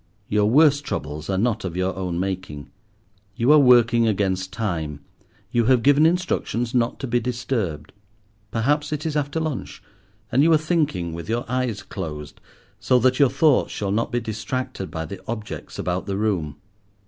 Your worst troubles are not of your own making. You are working against time; you have given instructions not to be disturbed. Perhaps it is after lunch, and you are thinking with your eyes closed, so that your thoughts shall not be distracted by the objects about the room.